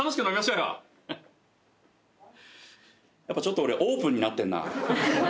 やっぱちょっと俺オープンになってんな。